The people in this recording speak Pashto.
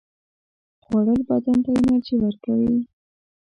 خوړل بدن ته انرژي ورکوي